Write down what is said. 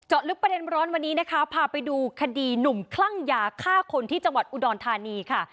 ลึกประเด็นร้อนวันนี้นะคะพาไปดูคดีหนุ่มคลั่งยาฆ่าคนที่จังหวัดอุดรธานีค่ะ